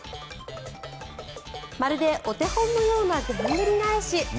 まるでお手本のようなでんぐり返し。